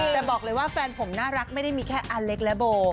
แต่บอกเลยว่าแฟนผมน่ารักไม่ได้มีแค่อาเล็กและโบ